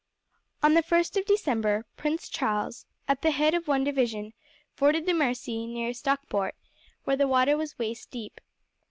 On the first of December, Prince Charles, at the head of one division, forded the Mersey near Stockport, where the water was waist deep.